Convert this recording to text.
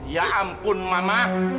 ya ampun mamah